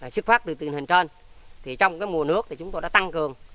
sức phát từ tình hình trên thì trong mùa nước chúng tôi đã tăng cường